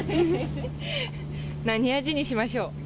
何味にしましょう。